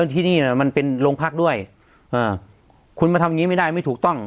ที่นี่น่ะมันเป็นโรงพักด้วยคุณมาทำอย่างงี้ไม่ได้ไม่ถูกต้อง